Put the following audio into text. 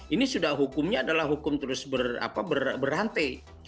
ini sudah hukumnya adalah hukum terus berhenti